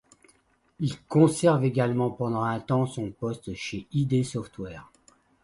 Il conserve également pendant un temps son poste chez id Software.